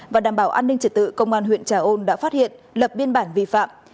và đảm bảo an ninh trật tự công an huyện trà ôn đã phát hiện lập biên bản vi phạm